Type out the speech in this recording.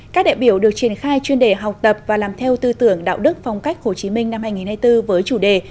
các đại biểu được triển khai chuyên đề học tập và làm theo tư tưởng đạo đức phong cách hồ chí minh năm hai nghìn hai mươi bốn với chủ đề